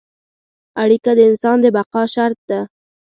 اړیکه د انسان د بقا شرط ده.